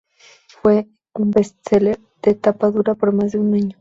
Fue un "best seller" de tapa dura por más de un año.